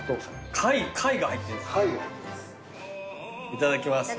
いただきます。